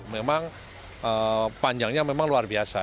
memang panjangnya memang luar biasa